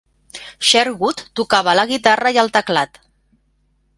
Sherwood tocava la guitarra i el teclat.